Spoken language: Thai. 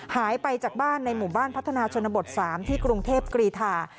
หายไปจากบ้านในหมู่บ้านพัฒนาชนบท๓ที่กรุงเทพกรีธา